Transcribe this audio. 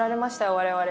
我々。